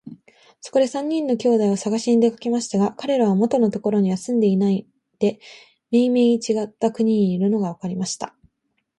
そこで三人の兄弟をさがしに出かけましたが、かれらは元のところには住んでいないで、めいめいちがった国にいるのがわかりました。